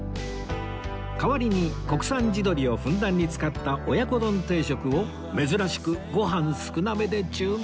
代わりに国産地鶏をふんだんに使った親子丼定食を珍しくご飯少なめで注文